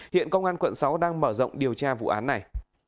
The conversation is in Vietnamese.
hiện công an quận sáu đang mở rộng điều tra vụ án này